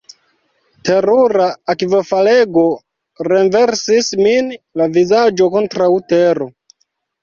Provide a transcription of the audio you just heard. Terura akvofalego renversis min, la vizaĝo kontraŭ tero.